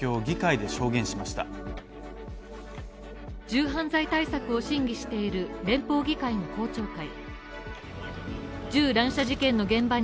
銃犯罪対策を審議している連邦議会の公聴会。